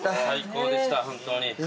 最高でした本当に。